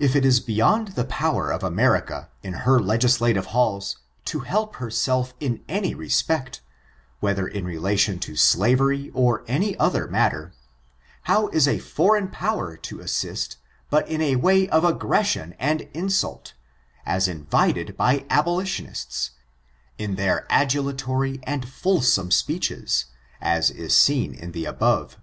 If it is beyond the power of America, in her legis lative halls, to help herself in any respect, whether in relation to slavery or any other matter, how is a foreign power to assist but in a way of aggression and insult, as invited by abolitionists, in their adulatory and fulsome speeches, as is seen in the above?